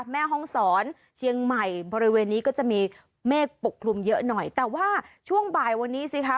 แม่ห้องศรเชียงใหม่บริเวณนี้ก็จะมีเมฆปกคลุมเยอะหน่อยแต่ว่าช่วงบ่ายวันนี้สิคะ